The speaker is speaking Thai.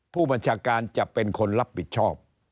ผู้บัญชาการจะเป็นคนรับผิดชอบ